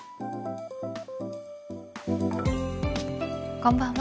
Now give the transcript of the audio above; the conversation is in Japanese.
こんばんは。